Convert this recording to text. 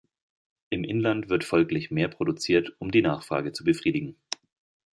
Im Inland wird folglich mehr produziert um die Nachfrage zu befriedigen.